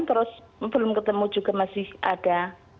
terus belum ketemu juga masih ada